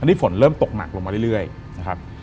ตอนนี้ฝนเริ่มตกหนักลงมาเรื่อยนะครับ